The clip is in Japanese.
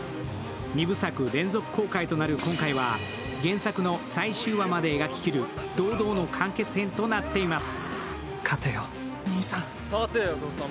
二部作連続公開となる今回は原作の最終話まで描ききる堂々の完結編となっています。